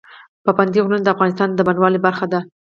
پابندی غرونه د افغانستان د بڼوالۍ برخه ده.